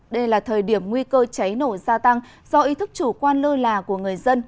đây là thời điểm nguy cơ cháy nổ gia tăng do ý thức chủ quan lơ là của người dân